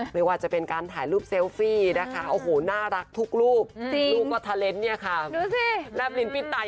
ไม่ว่าจะเป็นการถ่ายรูปเซลฟี่นะคะโอ้โหน่ารักทุกรูป